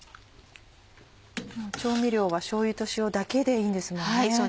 調味料はしょうゆと塩だけでいいんですもんね。